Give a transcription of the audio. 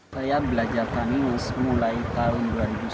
saya belajar tanimis mulai tahun dua ribu sepuluh